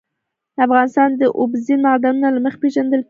افغانستان د اوبزین معدنونه له مخې پېژندل کېږي.